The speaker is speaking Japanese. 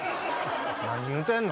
何言うてんの？